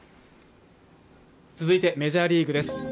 続いてメジャーリーグです。